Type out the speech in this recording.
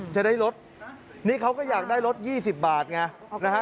จะได้ลดนี่เขาก็อยากได้รถ๒๐บาทไงนะฮะ